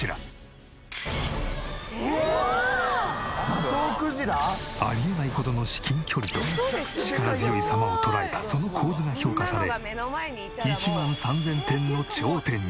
ザトウクジラ？」ありえないほどの至近距離と力強い様を捉えたその構図が評価され１万３０００点の頂点に！